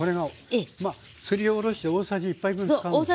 すりおろして大さじ１杯分使うんですね。